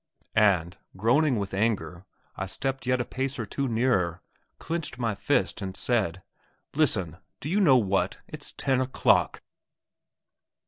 and, groaning with anger, I stepped yet a pace or two nearer, clenched my fist, and said, "Listen, do you know what, it's ten o'clock!"